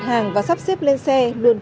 hàng và sắp xếp lên xe luôn